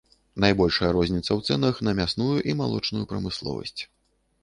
Найбольшая розніца ў цэнах на мясную і малочную прамысловасць.